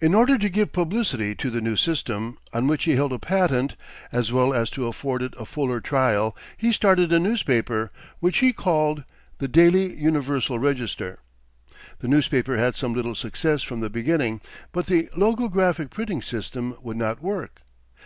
In order to give publicity to the new system, on which he held a patent, as well as to afford it a fuller trial, he started a newspaper, which he called the "Daily Universal Register." The newspaper had some little success from the beginning; but the logographic printing system would not work.